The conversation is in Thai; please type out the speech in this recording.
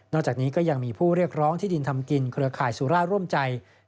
จากนี้ก็ยังมีผู้เรียกร้องที่ดินทำกินเครือข่ายสุราชร่วมใจ